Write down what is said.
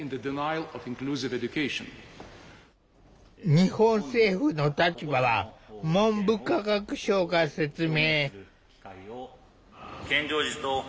日本政府の立場は文部科学省が説明。